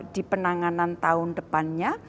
di penanganan tahun depannya